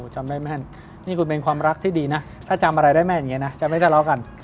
จำได้แม่นนี่คุณเป็นความรักที่ดีนะถ้าจำอะไรได้แม่นอย่างนี้นะจะไม่ทะเลาะกัน